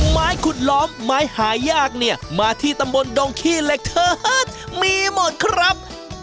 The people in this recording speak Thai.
ไม้ขุดล้อมไม้หายากเนี่ยมาที่ตำบลดงขี้เหล็กเถิดมีหมดครับ